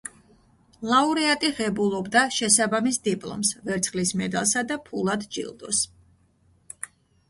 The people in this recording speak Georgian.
ლაურეატი ღებულობდა შესაბამის დიპლომს, ვერცხლის მედალსა და ფულად ჯილდოს.